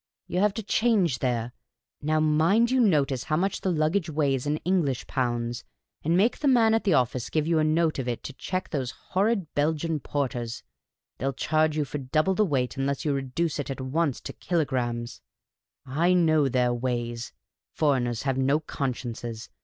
You have to change there. Now, mind you notice how much the luggage The Cantankerous Old Lady 17 weighs in English pounds, and make the man at the office give you a note of it to check those horrid Belgian porters. They '11 charge you for double the weight, unless you reduce it at once to kilogrammes. / know their ways. Foreigners have no consciences.